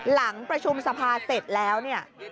หลังประชุมสภาเสร็จแล้วเนี่ย